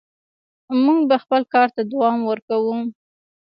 موږ به خپل کار ته دوام ورکوو.